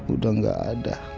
udah gak ada